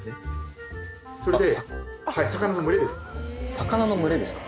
魚の群れですか？